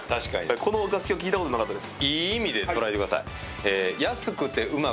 この楽曲、聴いたことないです。